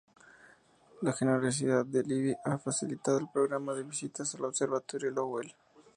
La generosidad de Libby ha facilitado el programa de visitas al Observatorio Lowell.